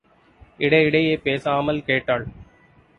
இடையிடையே பேசாமல் கேட்டாள்.